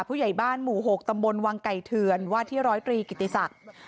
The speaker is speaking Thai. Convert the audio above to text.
ผู้ใหญ่บ้านหมู่๖ตำบลวังไก่เถื่อนว่าที่ร้อยตรีกิติศักดิ์